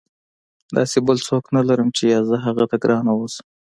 داسې بل څوک نه لرم چې یا زه هغه ته ګرانه واوسم.